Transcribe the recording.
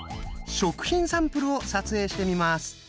食品サンプルを撮影してみます。